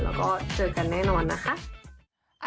แล้วก็เจอกันแน่นอนนะคะ